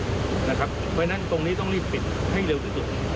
เพราะฉะนั้นตรงนี้ต้องรีบปิดให้เร็วที่สุด